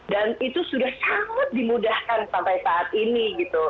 dan itu sudah sangat dimudahkan sampai saat ini